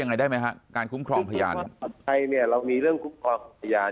ยังไงได้ไหมครับการคุ้มครองพยานเรามีเรื่องคุ้มครองพยาน